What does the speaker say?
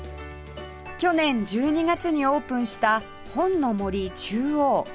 去年１２月にオープンした本の森ちゅうおう